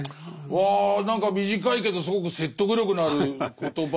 わ何か短いけどすごく説得力のある言葉ですね。